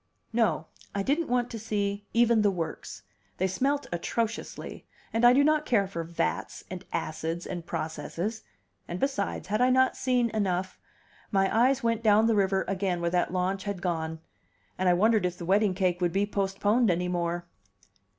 No, I didn't want to see even the works; they smelt atrociously, and I do not care for vats, and acids, and processes: and besides, had I not seen enough? My eyes went down the river again where that launch had gone; and I wondered if the wedding cake would be postponed any more.